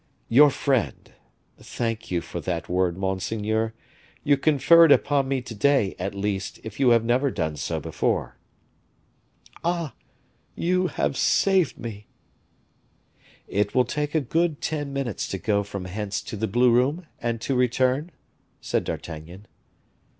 "Your friend! thank you for that word, monseigneur; you confer it upon me to day, at least, if you have never done so before." "Ah! you have saved me." "It will take a good ten minutes to go from hence to the blue room, and to return?" said D'Artagnan.